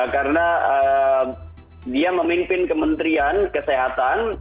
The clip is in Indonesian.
karena dia memimpin kementerian kesehatan